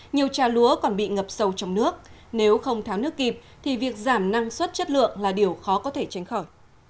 nhiều trà lúa còn bị ngập sâu trong nước nếu không tháo nước kịp thì việc giảm năng suất chất lượng là điều khó có thể tránh khỏi